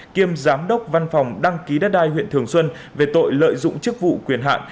kiêm giám đốc văn phòng đăng ký đất đai huyện thường xuân về tội lợi dụng chức vụ quyền hạn